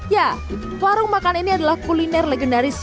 ya warung makan ini adalah kuliner legendaris